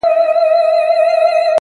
• نسیمه را خبر که په سفر تللي یاران,